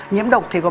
nhiễm độc thì gồm